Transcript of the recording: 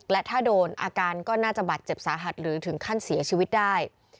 และถ้าโดนอาการก็น่าจะบาดเจ็บสาหัสหรือถึงขั้นเสียชีวิตได้